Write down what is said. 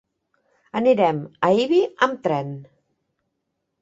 Anirem a Ibi amb tren.